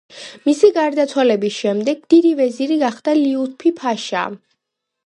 მისი გარდაცვალების შემდეგ დიდი ვეზირი გახდა ლიუთფი-ფაშა.